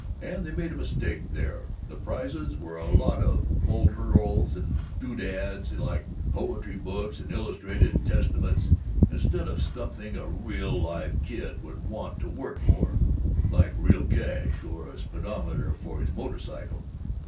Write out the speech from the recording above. And they made a mistake there: the prizes were a lot of folderols and doodads like poetry books and illustrated Testaments, instead of something a real live kid would want to work for, like real cash or a speedometer for his motor cycle.